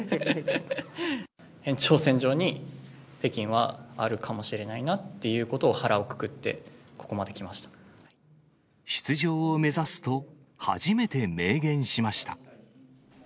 延長線上に北京はあるかもしれないなっていうことを、腹をくくって、出場を目指すと初めて明言しました。